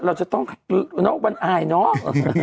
เราจะต้องวันอายเนาะ